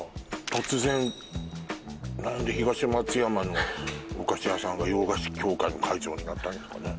突然何で東松山のお菓子屋さんが洋菓子協会の会長になったんですかね